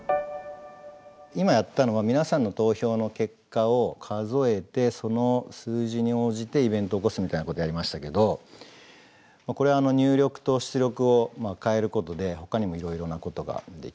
今やったのは皆さんの投票の結果を数えてその数字に応じてイベントを起こすみたいなことやりましたけどこれ入力と出力を変えることでほかにもいろいろなことができます。